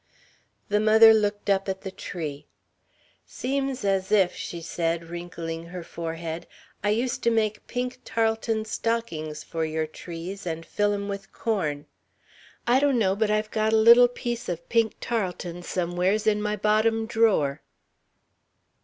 The mother looked up at the tree. "Seems as if," she said, wrinkling her forehead, "I used to make pink tarleton stockings for your trees and fill 'em with the corn. I donno but I've got a little piece of pink tarleton somewheres in my bottom drawer...."